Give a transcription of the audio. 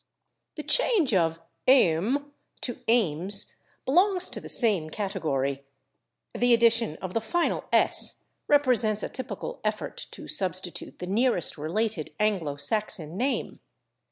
The change of /Oehm/ to /Ames/ belongs to the same category; the addition of the final /s/ represents a typical effort to substitute the nearest related Anglo Saxon name.